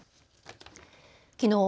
きのう